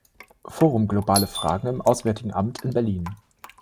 Forum Globale Fragen“ im Auswärtigen Amt in Berlin.